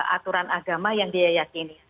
aturan agama yang dia yakini